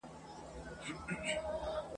د سپېڅلي جذبې یادونه